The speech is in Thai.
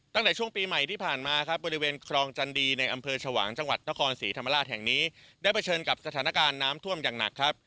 ตั้งแต่ช่วงปีใหม่ที่ผ่านมาครับบริเวณครองจันดีในอำเภอชวางจังหวัดนครศรีธรรมราชแห่งนี้ได้เผชิญกับสถานการณ์น้ำท่วมอย่างหนักครับ